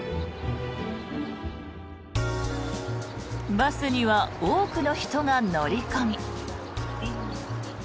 バスには多くの人が乗り込み。